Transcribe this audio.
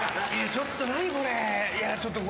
ちょっとこれ。